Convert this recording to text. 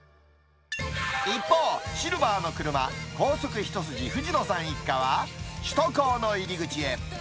一方、シルバーの車、高速一筋藤野さん一家は、首都高の入り口へ。